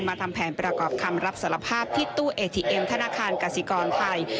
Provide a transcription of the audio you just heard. ทำแผนประกอบคำรับสารภาพที่ตู้เอทีเอ็มธนาคารกสิกรไทย